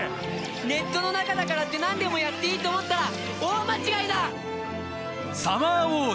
ネットの中だからって何でもやっていいと思ったら大間違いだ！